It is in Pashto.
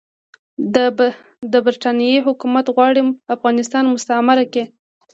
د برټانیې حکومت غواړي افغانستان مستعمره کړي.